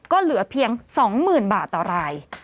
ก็เหลือเพียง๒๐๐๐บาทต่อราย